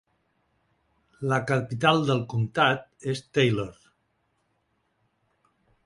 La capital del comtat és Taylor.